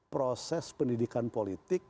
proses pendidikan politik